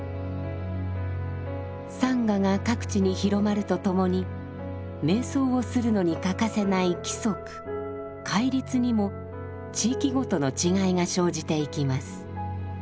サンガが各地に広まるとともに瞑想するのに欠かせない規則「戒律」にも地域ごとの違いが生じていきます。